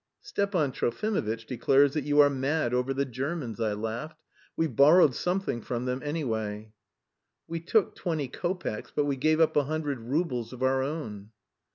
"Stepan Trofimovitch declares that you are mad over the Germans," I laughed. "We've borrowed something from them anyway." "We took twenty kopecks, but we gave up a hundred roubles of our own."